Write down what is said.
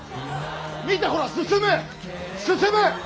見てほら進む進む。